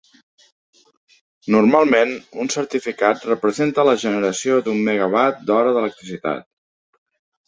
Normalment un certificat representa la generació d'un mega-watt hora d'electricitat.